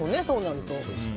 そうなると。